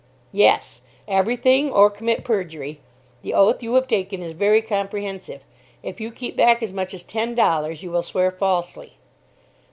"Yes, every thing, or commit perjury. The oath you have taken is very comprehensive. If you keep back as much as ten dollars, you will swear falsely."